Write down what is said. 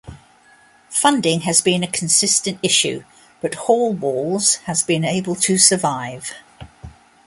Funding has been a consistent issue, but Hallwalls has been able to survive.